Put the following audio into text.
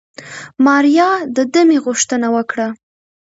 ماريا د دمې غوښتنه وکړه.